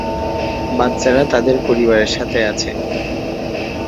বাচ্চারা তাদের পরিবারের সাথে আছে।